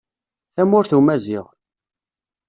Tamurt umaziɣ.